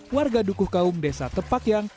warga dukuh kaum desa tepakyang